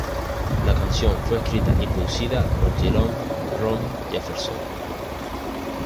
La canción fue escrita y producida por Jerome "Rome" Jefferson.